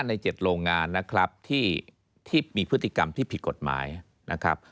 ใน๗โรงงานนะครับที่มีพฤติกรรมที่ผิดกฎหมายนะครับ